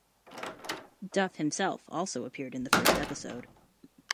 Duff himself also appeared in the first episode.